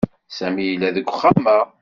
Sami yella deg uxxam-a.